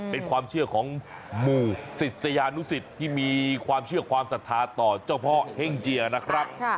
เป็นความเชื่อของหมู่ศิษยานุสิตที่มีความเชื่อความศรัทธาต่อเจ้าพ่อเฮ่งเจียนะครับ